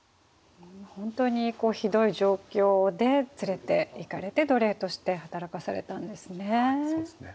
本当にひどい状況で連れていかれて奴隷として働かされたんですね。